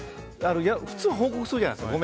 普通は報告するじゃないですか。